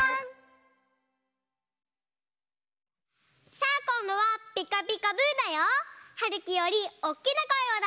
さあこんどは「ピカピカブ！」だよ。はるきよりおっきなこえをだしてね！